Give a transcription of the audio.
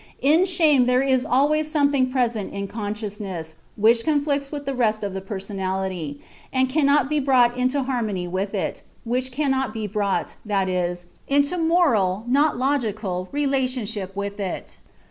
In shame there is always something present in consciousness which conflicts with the rest of the personality, and cannot be brought into harmony with it, which cannot be brought, that is, into moral (not logical) relationship with it.